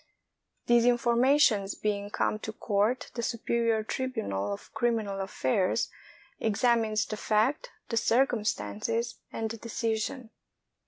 These informations being come to court, the superior tribunal of criminal affairs examines the fact, the cir cumstances, and the decision.